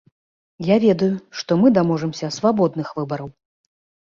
Я ведаю, што мы даможамся свабодных выбараў.